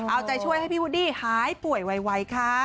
เอาใจช่วยให้พี่วูดดี้หายป่วยไวค่ะ